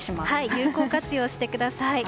有効活用してください。